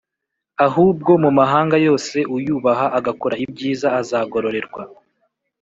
ahubwo mu mahanga yose uyubaha agakora ibyiza azagororerwa